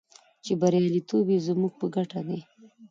چې بریالیتوب یې زموږ په ګټه دی.